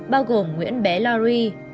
bao gồm nguyễn bé larry